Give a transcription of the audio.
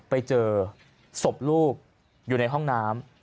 ไปเจอศพลูกอยู่ในห้องน้ำ